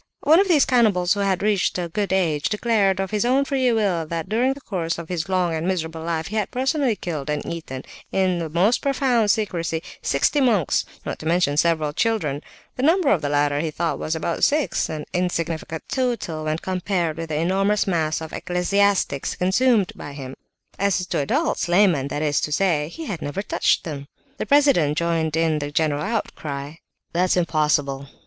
One of these cannibals, who had reached a good age, declared of his own free will that during the course of his long and miserable life he had personally killed and eaten, in the most profound secrecy, sixty monks, not to mention several children; the number of the latter he thought was about six, an insignificant total when compared with the enormous mass of ecclesiastics consumed by him. As to adults, laymen that is to say, he had never touched them." The president joined in the general outcry. "That's impossible!"